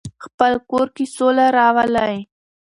خپل کور کې سوله راولئ.